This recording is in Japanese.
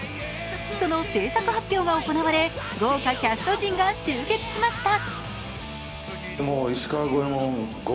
その製作発表が行われ豪華キャスト陣が集結しました。